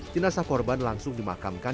jenazah korban langsung dimakamkan